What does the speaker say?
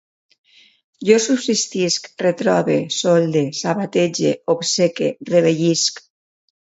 Jo subsistisc, retrobe, solde, sabatege, obceque, revellisc